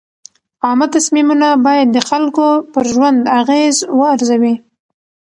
عامه تصمیمونه باید د خلکو پر ژوند اغېز وارزوي.